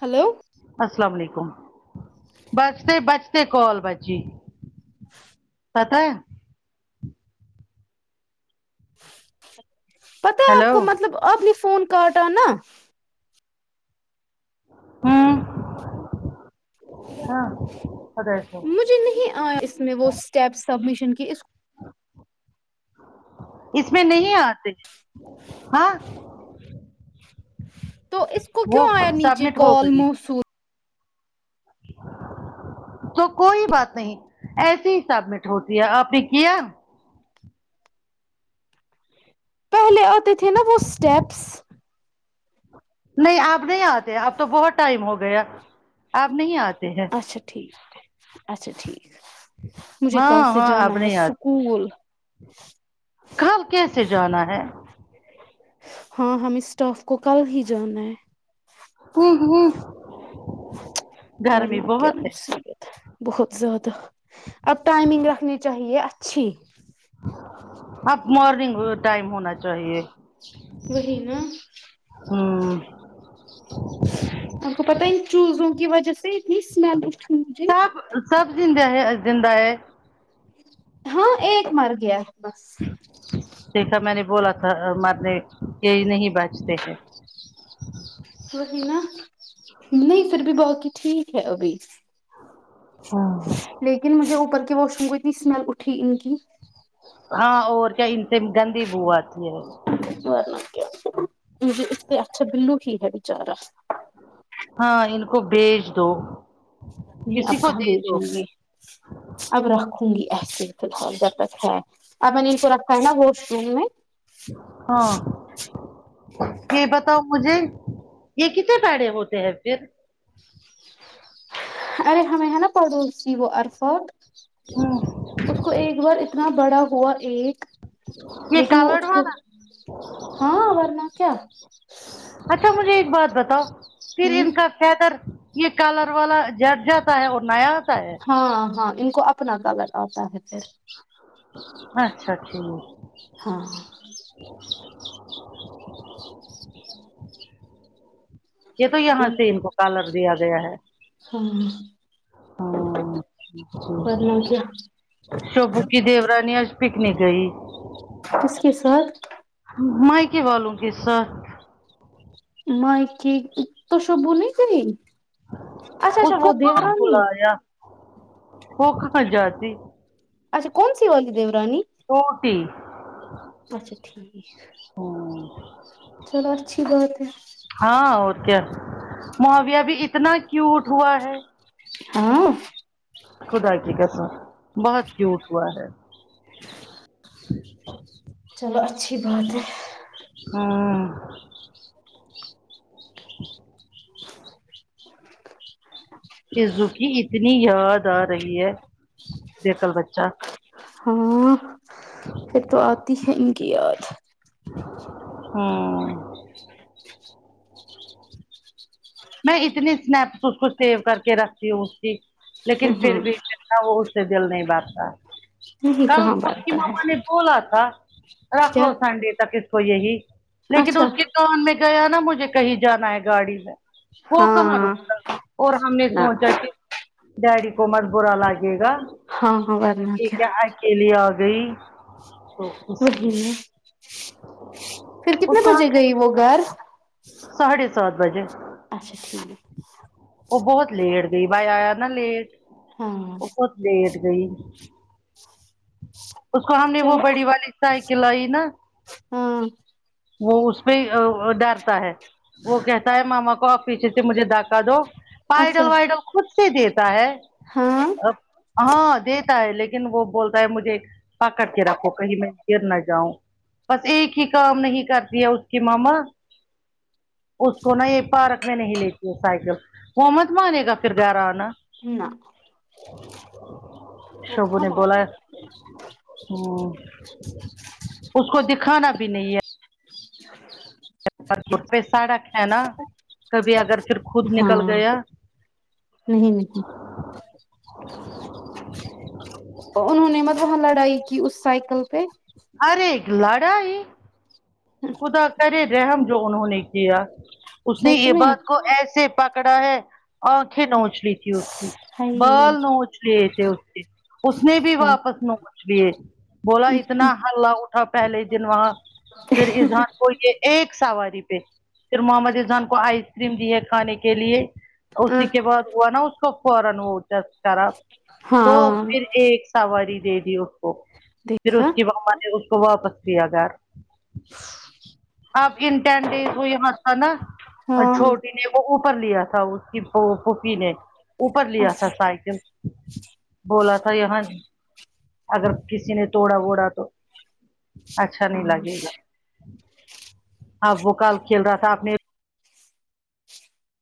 Hello السلام علیکم بچتے بچتے کال بجی پتا ہے پت ہیلو اپنی فون کاٹا نہ ہاں خدا سے مجھے نہیں آیا اس میں وہ اسٹیپ سبمشن کی اس اس میں نہیں آتے ہاں تو اس کو وہ کیوں آیا نیچے سبمٹ کا ہو گئی آلموسٹ تو کوئی بات نہیں ایسی ہی سبمٹ ہوتی ہے آپ نے کیا پہلے آتے تھے نا وہ اسٹیپس نہیں آپ نہیں آتے اب تو بہت ٹائم ہو گیا آپ نہیں آتے ہیں اچھا ٹھیک اچھا ٹھیک مجھے کل ہاں سے ہاں آپ جانا ہے نہیں آتے اسکول کل کیسے جانا ہے ہاں ہم اسٹاف کو کل ہی جانا ہے ہ ہ گرمی ورنہ کیا بہت ہے مصیبت ہے بہت زیادہ اب ٹائمنگ رکھنی چاہیے اچھی اب مارننگ ا ٹائم ہونا چاہیے وہی نا ہوں آپ کو پتا ان چوزوں کی وجہ سے اتنی اسمیل مجھے سب سب زندہ ہے زندہ ہے ہاں ایک مر گیا ہے بس دیکھا میں نے بولا تھا مرنے یہ نہیں بجتے ہیں [inaudible] وہی نا نہیں پھر بھی باقی ٹھیک ہے ابھی لیکن مجھے اوپر کی واش روم کو اتنی اسمیل اٹھی ان کی ہاں اور کیا ان سے گندی بو آتی ہے ورنہ کیا اس سے اچھا بلو ہی ہے بچارا ہاں ان کو بیج دو یہ کسی اب کو کہاں دے دو بیچوں میں اب رکھوں گی ایسے فی الحال جب تک ہے اب میں نے ان کو رکھا ہے نا واش روم میں ہاں یہ بتاؤ مجھے یہ کتنے پیارے ہوتے ہیں پھر ارے ہمیں ہے نا پڑوسی وہ عرفات اس کو ایک بار اتنا بڑا ہوا ایک یہ لیکن وہ کالرڈ اس کو والا ہاں ورنہ کیا اچھا مجھے ایک بات بتاؤ پھر ہوں ان کا حیدر یہ کالر والا جٹ جاتا ہے اور نیا آتا ہے ہاں ہاں ان کو اپنا کلر آتا ہے پھر اچھا ٹھیک ہاں یہ تو یہاں سے ان کو کالر دیا گیا ہے ہاں ہاں جی جی ورنہ کیا شبو کی دیورانی آج پکنک گئی کس کے ساتھ مئیکے والوں کے ساتھ مائکے کی تو شبو نہیں گئی اچھا اس اچھا کو وہ کہاں دیورانی بلایا وہ کہاں جاتی اچھا کونسی والی دیورانی چھوٹی اچھا ٹھیک چلو اچھی بات ہے ہاں اور کیا ماویا بھی اتنا کیوٹ ہوا ہے ہاں خدا کی قسم بہت کیوٹ ہوا ہے چلو اچھی بات ہے ہاں تیزو کی اتنی یاد آ رہی ہے بیکل بچہ ہاں پھر تو آتی ہے ان کی یاد ہوں میں اتنی سنیپس اس کو سیو کر کے رکھتی ہوں اس کی ہ لیکن ہ پھر بھی وہ اس سے دل نہیں بھرتا نہیں کل کہاں اس کی بنتا ہے ماما نے بولا تھا رکھ کیا لو سنڈے تک اس کو یہی لیکن اچھا اس کے دون میں گیا نا مجھے کہیں جانا ہے گاڑی میں وہ کہاں ہاں رکتا اور ہم نے نہ سوچا کہ ڈیڈی کو مت بولا لگے گا ہاں ہاں بنا یہ کیا اکیلے آ گئی تو اس وہی لیے میں پھر کتنے اس کو بجے ہم نے گئی وہ گھر ساڑھے سات بجے اچھا ٹھیک وہ بہت لیٹ گئی بھائی آیا نا لیٹ ہاں وہ بہت لیٹ گئی اس کو ہم نے وہ چلو بڑی والی سائیکل آئی نہ ہاں وہ اس پہ ڈر وہ کہتا ہے مما کو آپ پیچھے سے مجھے دھکا دو پائڈل اچھا وائڈل خود سے دیتا ہے ہاں ہاں دیتا ہے لیکن لیکن وہ بولتا ہے مجھے پکڑ کے رکھو کہیں میں گر نہ جاؤں بس ایک ہی کام نہیں کرتی ہے اس کی ماما اس کو نا یہ پارک میں نہیں لیتی ہے سائیکل وہ مت مانے گا پھر گھر آنا نہ وہ شعبو کہاں نے بولا مانے ہے ہاں اس کو دکھانا بھی نہیں ہے پہ سڈک ہے نا کبھی اگر پھر گا خود نکل ہاں گیا نہیں نہیں انہوں نے مطلب وہاں لڑائی کی اس سائیکل پہ ارے لڑائی خدا کرے رحم جو انہوں نے کیا اس نے سچ یہ میں بات کو ایسے پکڑا ہے آنکھیں نوچ لی تھی کی اسکے ہائی بال نوچ لیتے اسکے اس نے بھی ہائی واپس نوچ لیے بولا اتنا حللہ اٹھا پہلے دن وہاں پھر اذہان کو یہ ایک سواری پہ پھر محمد یزان کو آئس کریم دی ہے کھانے کے لیے اسی کے بعد ہوا نا اس کو فورا وہ جس خراب تو ہاں پھر ایک سواری دے دی اس کو پھر دیکھا اس کی مما نے اس کو واپس لیا گھر اب ان ٹین ڈیز وہ یہاں تھا نا ہاں چھوٹی نہیں اوپر لیا تھا اس کی پھوپھی نے اوپر لیا تھا اچھا سائیکل بولا تھا یہاں اگر کسی نے توڑا ووڑا تو اچھا نہیں ہاں لگے گا اب وہ کل کھیل رہا تھا آپ نے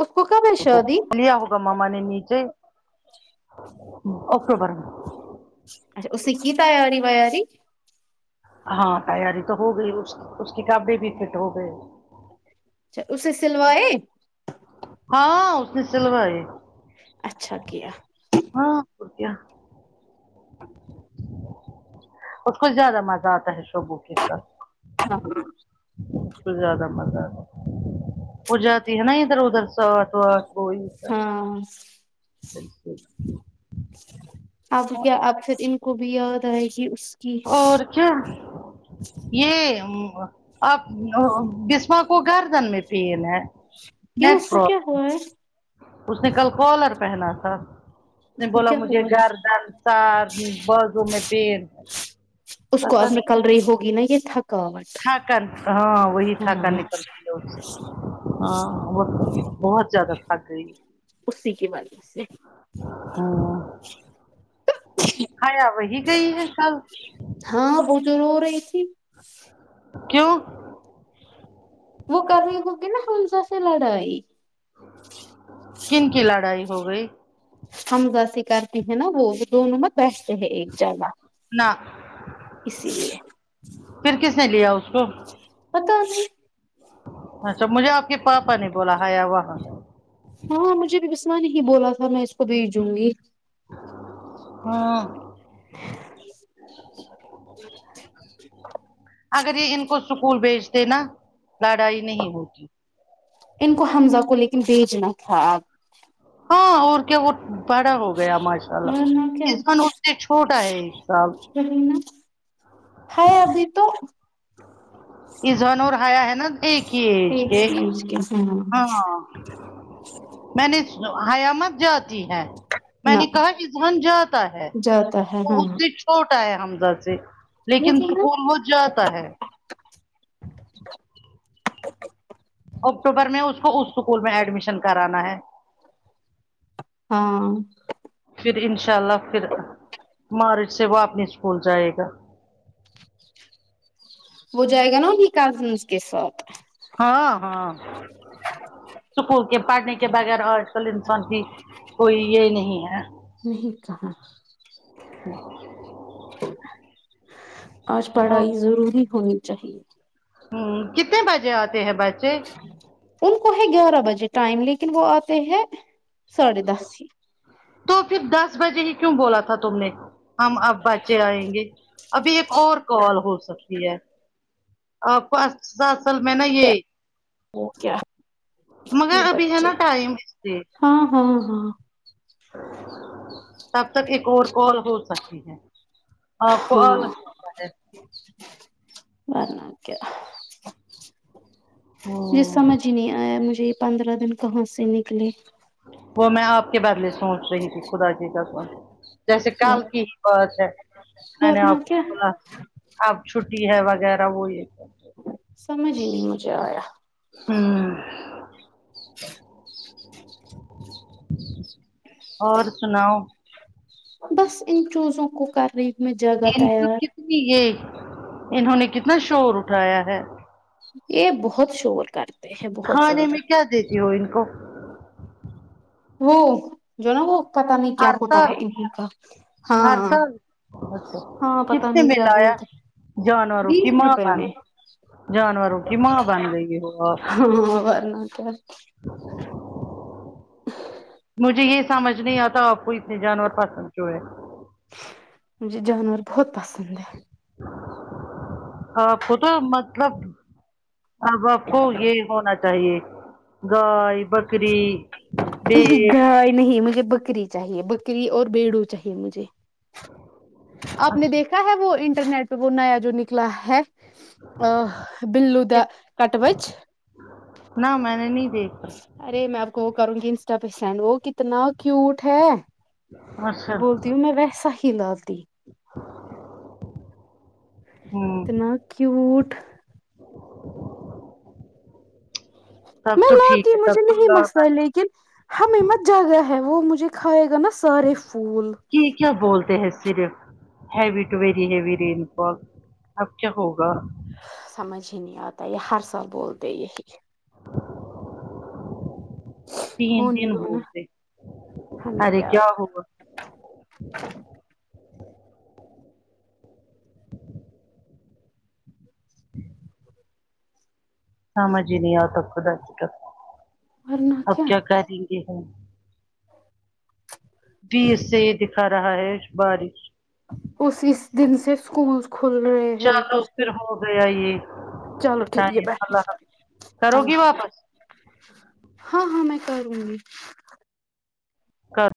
اس کو کب ہے شادی لیا ہوگا ماما نے نیچے اکٹوبر میں اچھا اس نے کی تیاری ویاری ہاں تیاری تو ہو گئی اس اس کے کپڑے بھی فٹ ہو گئے اچھا اسے سلوائے ہاں اس نے سلو ائی اچھا کیا ہاں پر کیا اس کو زیادہ مزہ آتا ہے شبوں کے ساتھ [unintelligible] اس کو زیادہ مزہ اتا وہ جاتی ہے نا ادھر ادھر ساتھ بار کوئی سا ہاں [unintelligible] اب کیا اب پھر ان کو بھی یاد آئے گی اس کی اور کیا یہ ام اب بسما کو گردن میں پین ہے کیو ں اس نیک کو کیا پرابلم ہوا ہے اس نے کل کالر پہنا تھا اس نے کو بولا کیا مجھے ہوا ہے گھر در سر بازوں میں پین اس کو اب نکل رہی ہوگی نا یہ تھکاوٹ تھاکن ہاں وہی تھکن ہاں نکل رہی ہاں وه بہت زیادہ تھک گئی اسی کے وجہ سے ہوں حیا وہی گئی ہے کل ہاں ب جو رو رہی تھی کیوں وہ کبھی ہوگی نہ حمزہ سے لڑائی کن کی لڑائی ہو گئی حمزہ سے کرتی ہیں نا وہ دونوں میںت بیٹھتے ہیں ایک جگہ نہ اسی لیے پھر کس نے لیا اس کو پتا نہیں اچھا مجھے آپ کے پاپا نے بولا ہےہیا وہاں ہاں مجھے بھی بسمہ نے ہی بولا تھا میں اس کو بھیجوں گی ہاں اگر یہ ان کو اسکول بھیج د ے نا لڑائی نہیں ہوگی ان کو حمزہ کو لیکن بھیجنا تھا آپ ہاں اور کیا وہ بڑا ہو گیاماشا ورنہ کیا اس کن اس سے چھوٹا ہے ایک سال ہے ابھی تو ازہان اور حیا ہے نا ایک ہی ایج کے مشکل سے ہاں ہاں میں نے حیامت جاتی ہے میں نہ نے کہا اذہان جاتا ہے جاتا ہے تو ہاں اس سیچ چھوٹا ہے حمزہ سے لیکن نا، اسکول وہ جاتا ہے اکٹوبر میں اس کو اس اسکول میں ایڈمیشن کرانا ہے ہاں پھر انشاء اللہ پھر مارچ سے وہ اپنی اسکول جائے گا وہ جائے گا نا ابھی کزنز کے ساتھ ہاں ہاں سکول کے پڑھنے کے بغیر اور ہر انسان کی کوئی یہ نہیں ہے نہیں کہاں آج پڑھائی ضروری ہونی چاہیے ہوں کتنے بجے آتے ہیں بچے ان کو ہے گیارہ بجے ٹائم لیکن وہ آتے ہیں ساڑھے دس ہی تو پھر دس بجے ہی کیوں بولا تھا تم نے ہم اب بچے آئیں گے ابھی ایک اور کال ہو سکتی ہے اب پانچ سات سال میں نا یہ وہ کیا مگر وہ ابھی ہے بچے نا ٹائم اسلئے ہاں ہاں ہاں تب تک ایک اور کال ہو سکتی ہے آپ کو آلس آتا ہے بنا کیا یہ ہمم سمجھ ہی نہیں آیا مجھے یہ پندرہ دن کہاں سے نکلے وہ میں آپ کے بدلے سونچ رہی تھی خدا کی قسم جیسے کل کی ہی بات ہے میں نے ورنہ آپ کو کیا بولا اب چھٹی ہے وغیرہ وہ یہ سمجھ ہی نہیں مجھے آیا ہوں اور سناؤ بس ان چوزوں کو کر رہی ہوں میں جگہ ان کو تیار کتنی یہ انہوں نے کتنا شور اٹھایا ہے یہ بہت شور کر کھانے میں کیا دیتی ہو ان کو وہ جو ہے نا وہ پتہ نہیں کیا ہوتا ہرتل ہے انہو کا ہاں ہرتل اچھا ہاں پتہ کس نے نہیں کیا ملایا بولتے جانوروں کی بیس ماں روپے میں بن جانوروں کی ماں بن گئی ہو آپ ہاں ورنہ کیا مجھے یہ سمجھ نہیں آتا آپ کو اتنے جانور پسند کیوں ہے مجھے جانور بہت پسند ہے آپ کو تو مطلب اب آپ کو یہ ہونا چاہیے گائے بکری نہیں بیل گائے نہیں مجھے بکری چاہیے بکری اور بیڑو چاہیے مجھے آپ نے اچھا دیکھ کہاں وہ انٹرنیٹ پہ وہ نیا جو نکلا ہے آہ بلو کیا دا کٹوچھ نہ میں نے نہیں دیک ارے میں آپ کو وہ کروں گی انسٹا پہ سینڈ وہ کتنا کیوٹ ہے میں اچھا بولتی ہوں میں ویسا ہی لاتی ہوں اتنا کیوٹ تب میں تو لاتی ٹھیک ہے مجھے تب نہیں تو مسئلہ لیکن ہمیں مت جگا ہے وہ مجھے کھائے گا نا سارے پھول ٹھیک ہے بولتے ہیں صرف heavy to very heavy rainfall اب کیا ہوگا سمجھ ہی نہیں آتا یہ ہر سال بولتے یہی تین ہونے دن دو نا بولتے ارے کیا ہوا ج [inaudible] سمجھ ہی نہیں آتا خدا کی قسم اب کیا کریں گے ہم بھی اس سے یہ دکھا رہا ہے بارش اسی اس دن سے اسکول چلو پھر ہو گیا یہ چلو ٹھیک ہے ٹائم بیٹھو اللہ کرو گی اللہ حافظ۔ واپس ہاں ہاں میں کروں گی کر